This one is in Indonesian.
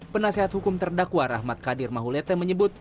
penasehat hukum terdakwa rahmat kadir mahulete menyebut